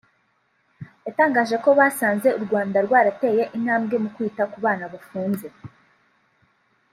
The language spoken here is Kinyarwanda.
yatangaje ko basanze u Rwanda rwarateye intambwe mu kwita ku bana bafunze